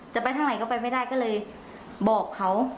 จะไปทางไหนก็ไปไม่ได้ก็เลยบอกเขา